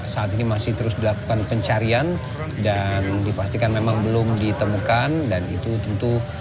saat ini masih terus dilakukan pencarian dan dipastikan memang belum ditemukan dan itu tentu